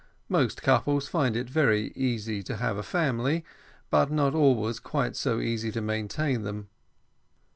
Most couples find it very easy to have a family, but not always quite so easy to maintain them.